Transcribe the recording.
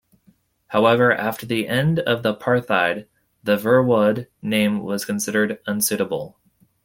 However, after the end of apartheid, the Verwoerd name was considered unsuitable.